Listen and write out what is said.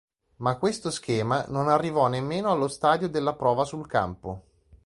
Ma questo schema non arrivò nemmeno allo stadio della prova sul campo.